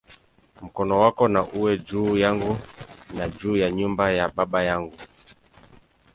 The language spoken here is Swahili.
Mkono wako na uwe juu yangu, na juu ya nyumba ya baba yangu"!